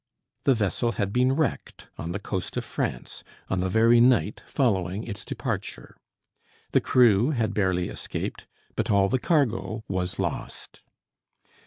The vessel had been wrecked on the coast of France, on the very night following its departure. The crew had barely escaped, but all the cargo was lost.